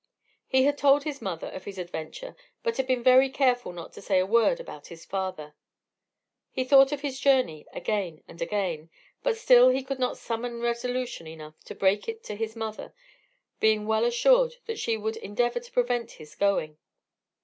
He had told his mother of his adventure, but had been very careful not to say a word about his father. He thought of his journey again and again, but still he could not summon resolution enough to break it to his mother, being well assured that she would endeavour to prevent his going.